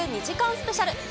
２時間スペシャル。